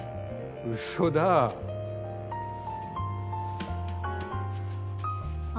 嘘だあ。